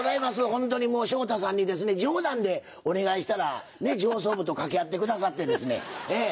ホントにもう昇太さんに冗談でお願いしたら上層部と掛け合ってくださってですね。